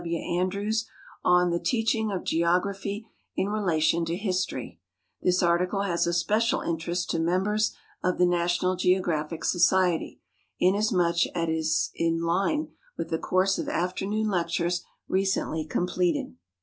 W. Andrews on "The Teaching of Geog raphy in Relation to History." This article has a special interest to members of the National 'Geographic Society, inasmuch as it is in line with the course of afternoon lectures recently completed.